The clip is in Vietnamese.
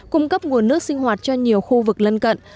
cung cấp nguồn nước sinh hoạt cho nhiều khu vực lân cận